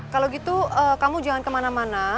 kalau gitu kamu jangan kemana mana